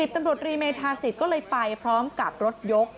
ตำรวจรีเมธาศิษย์ก็เลยไปพร้อมกับรถยก